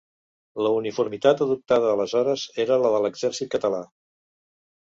La uniformitat adoptada aleshores era la de l'Exèrcit Català.